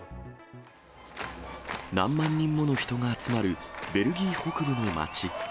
何万人もの人が集まるベルギー北部の町。